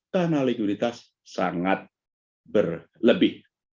karena likuiditas sangat berlebih